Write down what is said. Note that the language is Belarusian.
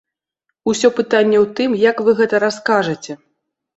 Усё пытанне ў тым, як вы гэта раскажаце.